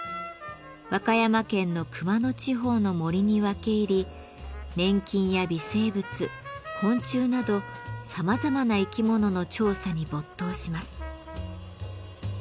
和歌山県の熊野地方の森に分け入り粘菌や微生物昆虫などさまざまな生き物の調査に没頭します。